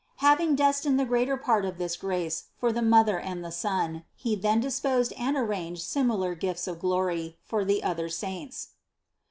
Having destined the greater part of this grace for the Mother and the Son, He then disposed and arranged similar gifts of glory for the other saints.